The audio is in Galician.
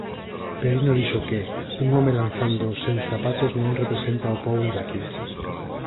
Perino dixo que "un home lanzando seus zapatos non representa o pobo iraquí".